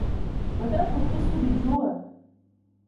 بدأت أحس بالجوع.